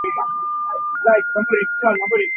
Caw hrennak hri a poih i caw a tli.